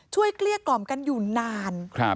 ช่วยกลี้กล่อมกันอยู่นาน